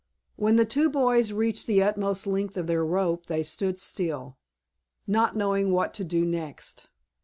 When the two boys reached the utmost length of their rope they stood still, not knowing what to do next.